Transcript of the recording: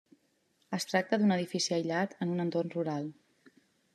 Es tracta d'un edifici aïllat en un entorn rural.